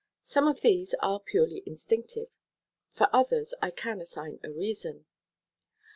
Some of these are purely instinctive; for others I can assign a reason.